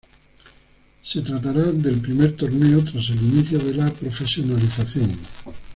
Se tratará del primer torneo tras el inicio de la profesionalización.